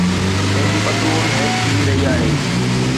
منهنجي پتلون هيٺ ڪري رهي آهي